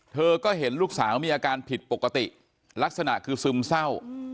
เธอก็เห็นลูกสาวมีอาการผิดปกติลักษณะคือซึมเศร้า